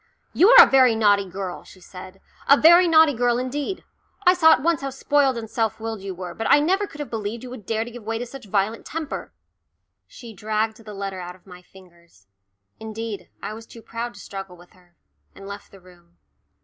"You are a very naughty girl," she said, "a very naughty girl indeed. I saw at once how spoilt and self willed you were, but I never could have believed you would dare to give way to such violent temper." She dragged the letter out of my fingers indeed, I was too proud to struggle with her and left the room.